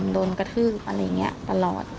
โดนกระทืบอะไรอย่างนี้ตลอด